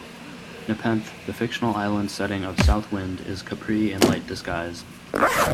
Nepenthe, the fictional island setting of "South Wind", is Capri in light disguise.